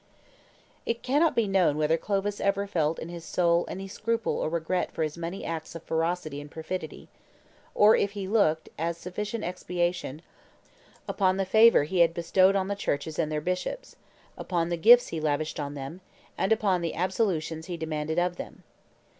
It cannot be known whether Clovis ever felt in his soul any scruple or regret for his many acts of ferocity and perfidy, or if he looked, as sufficient expiation, upon the favor he had bestowed on the churches and their bishops, upon the gifts he lavished on them, and upon the absolutions he demanded of them.